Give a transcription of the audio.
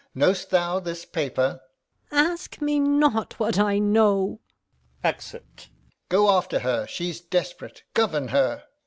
Know'st thou this paper? Gon. Ask me not what I know. Exit. Alb. Go after her. She's desperate; govern her.